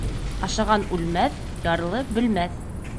Ашаған үлмәҫ, ярлы бөлмәҫ.